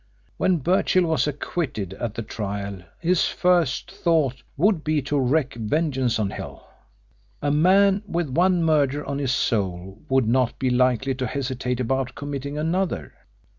When Birchill was acquitted at the trial his first thought would be to wreak vengeance on Hill. A man with one murder on his soul would not be likely to hesitate about committing another.